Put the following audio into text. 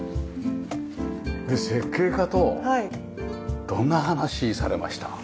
設計家とどんな話されました？